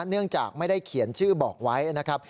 เนื่องจากไม่ได้เขียนชื่อบอกไว้นะครับ